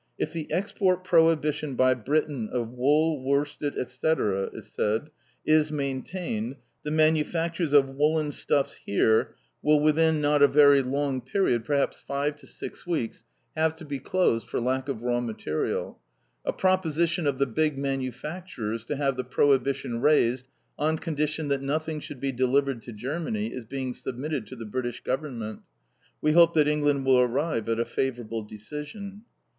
"If the export prohibition by Britain of wool, worsted, etc., is maintained, the manufactures of woollen stuffs here will within not a very long period, perhaps five to six weeks, have to be closed for lack of raw material. "A proposition of the big manufacturers to have the prohibition raised on condition that nothing should be delivered to Germany is being submitted to the British Government. We hope that England will arrive at a favourable decision."